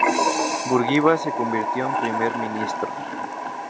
Burguiba se convirtió en Primer ministro.